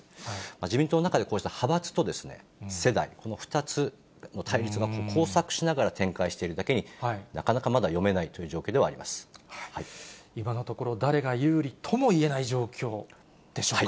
自民党中でこうした派閥と世代、この２つの対立が交錯しながら展開しているだけに、なかなかまだ今のところ、誰が有利ともいえない状況でしょうか。